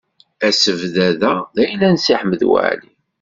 Asebdad-a d ayla n Si Ḥmed Waɛli.